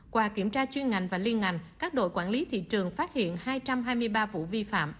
qua kiểm tra chuyên ngành và liên ngành các đội quản lý thị trường phát hiện hai trăm hai mươi ba vụ vi phạm